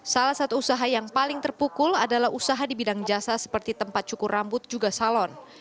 salah satu usaha yang paling terpukul adalah usaha di bidang jasa seperti tempat cukur rambut juga salon